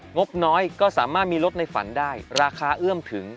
บน้อยก็สามารถมีรถในฝันได้ราคาเอื้อมถึง